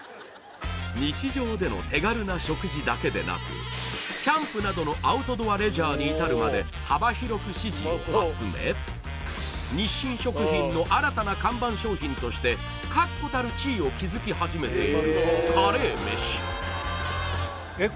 日常での手軽な食事だけでなくキャンプなどのアウトドアレジャーに至るまで幅広く支持を集めとして確固たる地位を築き始めているカレーメシえっ